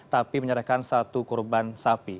tapi menyerahkan satu kurban sapi